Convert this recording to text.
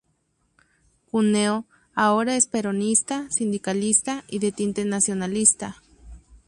Cúneo ahora es peronista, sindicalista y de tinte nacionalista.